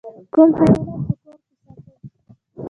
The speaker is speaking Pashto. کوم حیوان په کور کې ساتئ؟